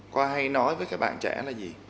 khoa hay nói với các bạn trẻ là gì